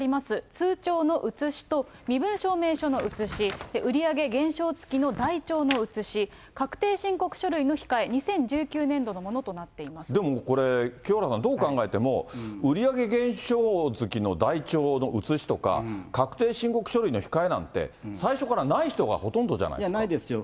通帳の写しと、身分証明書の写し、売り上げ台帳付きの台帳の写し、確定申告書類の控え、２０１９年でもこれ、清原さん、どう考えても、売り上げ減少月の台帳の写しとか、確定申告書類の控えなんて、最初からない人がほとんどじゃないでないですよ。